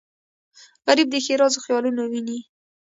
غریب د ښېرازو خیالونه ویني